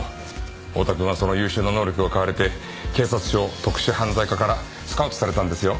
太田くんはその優秀な能力を買われて警察庁特殊犯罪課からスカウトされたんですよ。